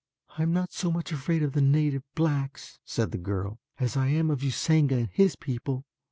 "I am not so much afraid of the native blacks," said the girl, "as I am of Usanga and his people.